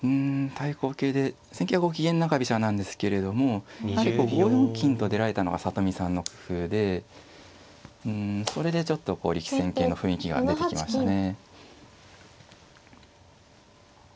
対抗型で戦型はゴキゲン中飛車なんですけれどもやはりこう５四金と出られたのが里見さんの工夫でうんそれでちょっとこう力戦形の雰囲気が出てきましたね。